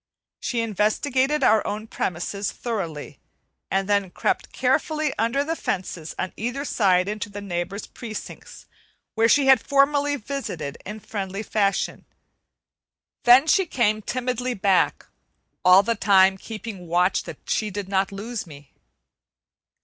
She investigated our own premises thoroughly and then crept carefully under the fences on either side into the neighbor's precincts where she had formerly visited in friendly fashion; then she came timidly back, all the time keeping watch that she did not lose me.